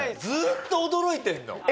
ずっと驚いてるの。